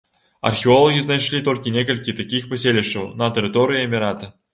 Археолагі знайшлі толькі некалькі такіх паселішчаў на тэрыторыі эмірата.